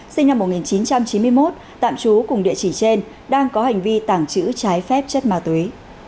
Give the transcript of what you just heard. sinh năm một nghìn chín trăm chín mươi một tạm trú cùng địa chỉ trên đang có hành vi tàng trữ trái phép chất ma túy